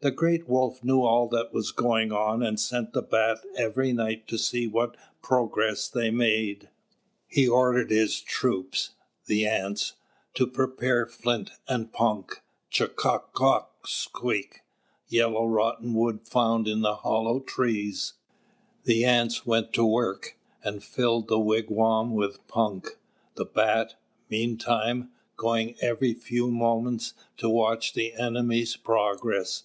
The Great Wolf knew all that was going on, and sent the Bat every night to see what progress they made. He ordered his troops, the Ants, to prepare flint and punk, Chū gā gā sīq', yellow rotten wood found in hollow trees. The Ants went to work and filled the wigwam with punk, the Bat, meantime, going every few moments to watch the enemy's progress.